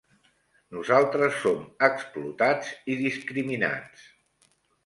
Nosaltres som explotats i discriminats.